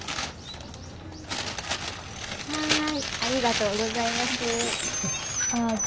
ありがとう。